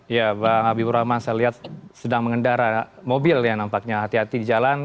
ya bang habibur rahman saya lihat sedang mengendara mobil yang nampaknya hati hati di jalan